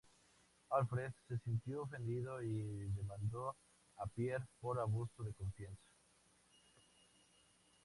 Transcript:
Alfred se sintió ofendido y demandó a Pierre por abuso de confianza.